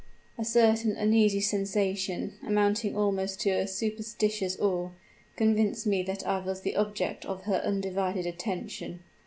A certain uneasy sensation amounting almost to a superstitious awe convinced me that I was the object of her undivided attention.